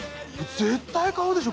絶対買うでしょ